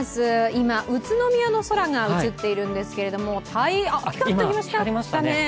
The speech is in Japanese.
今、宇都宮の空が映っているんですけれどもピカッと光りましたね。